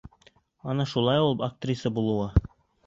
Ана шулай ул актриса булыуы!